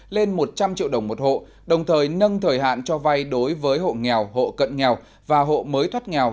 lên một trăm linh triệu đồng một hộ đồng thời nâng thời hạn cho vay đối với hộ nghèo hộ cận nghèo và hộ mới thoát nghèo